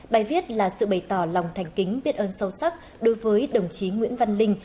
bài viết là sự bày tỏ lòng thành kính biết ơn sâu sắc đối với đồng chí nguyễn văn linh